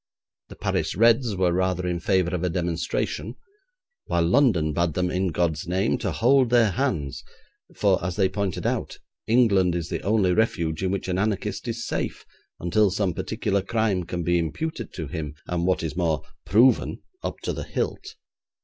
The Paris Reds were rather in favour of a demonstration, while London bade them, in God's name, to hold their hands, for, as they pointed out, England is the only refuge in which an anarchist is safe until some particular crime can be imputed to him, and what is more, proven up to the hilt.